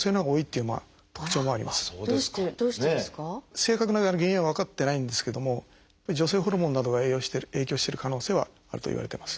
正確な原因は分かってないんですけども女性ホルモンなどが影響してる可能性はあるといわれてます。